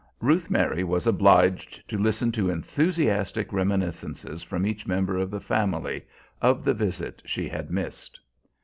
Ruth Mary was obliged to listen to enthusiastic reminiscences, from each member of the family, of the visit she had missed.